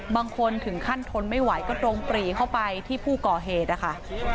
บางคนถึงขั้นทนไม่ไหวก็ตรงปรีเข้าไปที่ผู้ก่อเหตุนะคะ